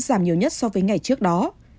giảm nhiều nhất so với ngày trước đó